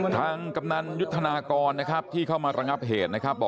กำนันยุทธนากรนะครับที่เข้ามาระงับเหตุนะครับ